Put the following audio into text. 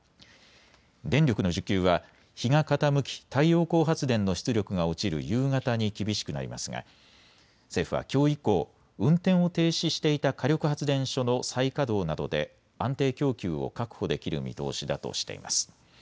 電力の需給は日が傾き太陽光発電の出力が落ちる夕方に厳しくなりますが政府はきょう以降、運転を停止していた火力発電所の再稼働などで安定供給を確保できる見通しだとしています。